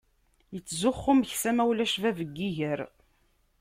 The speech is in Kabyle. Ittzuxxu umeksa ma ulac bab n yiger.